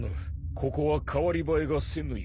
ここは代わり映えがせぬ故。